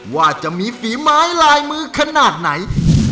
ว่าจะมีฝีไม้ลายมือขนาดไหน